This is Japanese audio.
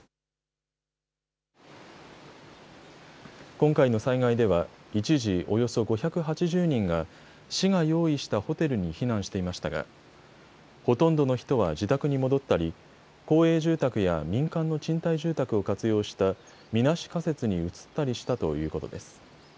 今回の災害では一時、およそ５８０人が市が用意したホテルに避難していましたがほとんどの人は自宅に戻ったり公営住宅や民間の賃貸住宅を活用したみなし仮設に移ったりしたということです。